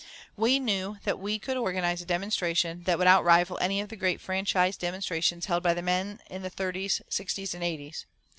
We knew that we could organise a demonstration that would out rival any of the great franchise demonstrations held by men in the thirties, sixties, and eighties.